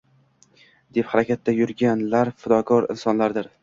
deb harakatda yurganlar fidokor insonlardir.